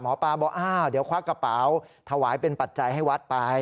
หมอปลาบอกอ้าวเดี๋ยวควักกระเป๋าถวายเป็นปัจจัยให้วัดไป